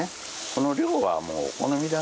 この量はもうお好み。